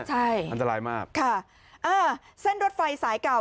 ใช่อันตรายมากค่ะอ่าเส้นรถไฟสายเก่า